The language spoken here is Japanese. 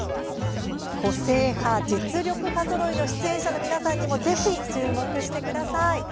個性派、実力派ぞろいの出演者の皆さんにもぜひ注目してください。